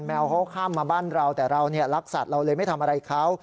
แมวเขาข้ามมาบ้านเราแต่เรารักสัตว์เราเลยไม่ทำอะไรเขา